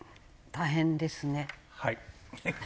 大変ですね。